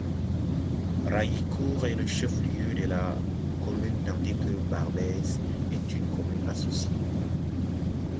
Raillicourt est le chef-lieu de la commune tandis que Barbaise est une commune associée.